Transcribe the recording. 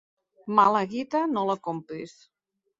Mula guita, no la compris.